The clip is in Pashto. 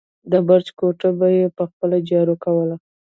د برج کوټه به يې په خپله جارو کوله.